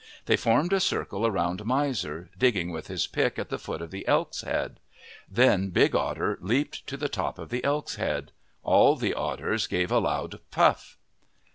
They formed a circle around Miser, digging with his pick at the foot of the elk's head. Then Big Otter leaped to the top of the elk's head. All the otters gave a loud puff.